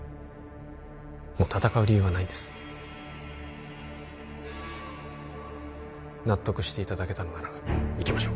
もう戦う理由はないんです納得していただけたのなら行きましょう・